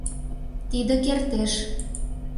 Тиде кертеш.